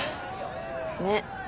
ねっ。